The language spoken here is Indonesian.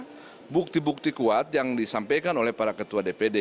ada bukti bukti kuat yang disampaikan oleh para ketua dpd